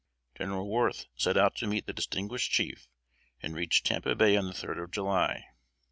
General Worth set out to meet the distinguished chief, and reached Tampa Bay on the third of July.